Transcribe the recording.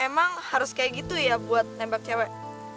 emang harus kayak gitu ya buat nembak cewek